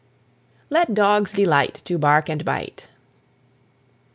LET DOGS DELIGHT TO BARK AND BITE.